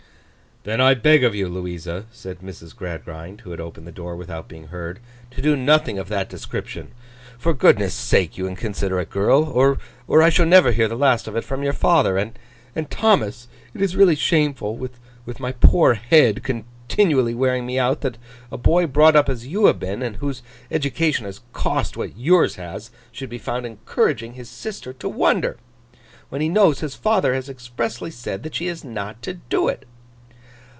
'Then I beg of you, Louisa,' said Mrs. Gradgrind, who had opened the door without being heard, 'to do nothing of that description, for goodness' sake, you inconsiderate girl, or I shall never hear the last of it from your father. And, Thomas, it is really shameful, with my poor head continually wearing me out, that a boy brought up as you have been, and whose education has cost what yours has, should be found encouraging his sister to wonder, when he knows his father has expressly said that she is not to do it.